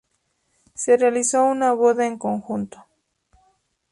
Se realizó una boda en conjunto.